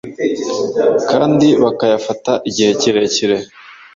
kandi bakayafata igihe kirekire".